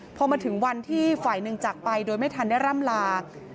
พอมาถึงวันที่ฝ่ายหนึ่งจากไปโดยไม่ทันได้ร่ำลา